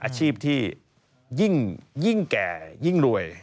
อาชีพที่ยิ่งแก่ยิ่งรวย